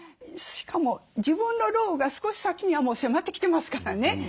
しかも自分の老後が少し先にはもう迫ってきてますからね。